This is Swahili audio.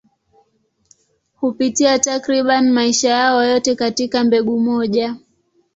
Hupitia takriban maisha yao yote katika mbegu moja.